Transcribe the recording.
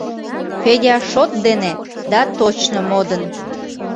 Федя шот дене да точно модын.